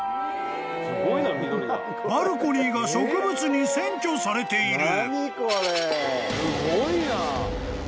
［バルコニーが植物に占拠されている］